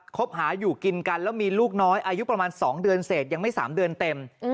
คบหาอยู่กินกันแล้วมีลูกน้อยอายุประมาณ๒เดือนเศษยังไม่๓เดือนเต็ม